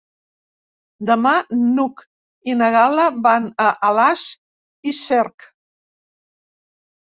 Demà n'Hug i na Gal·la van a Alàs i Cerc.